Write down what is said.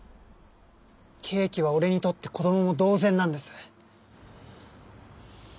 ケーキは俺にとって子供も同然なんです。